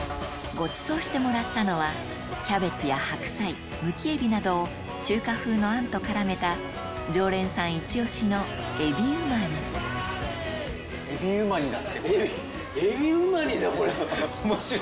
ごちそうしてもらったのはキャベツや白菜むきエビなどを中華風のあんと絡めた常連さんイチ押しのえびうま煮だ！